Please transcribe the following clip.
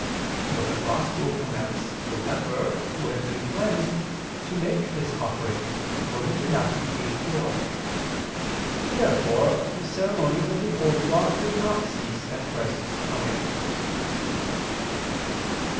But the Gospel commands the leper, who has been cleansed, to make this offering (Matt. 8:4). Therefore the ceremonies of the Old Law did not cease at Christ's coming.